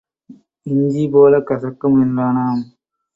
இஞ்சி போலக் கசக்கும் என்றானாம்.